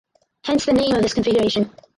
Hence the name of this configuration.